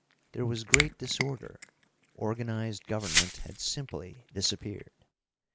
There was great disorder. Organized government had simply disappeared.